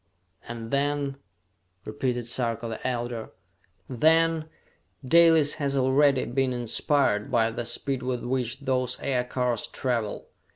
"And then ?" repeated Sarka the Elder. "Then, Dalis has already been inspired by the speed with which those aircars travel!